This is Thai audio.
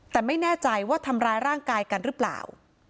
แต่ไม่แน่ใจว่าทำร้ายร่างกายกันหรือเปล่า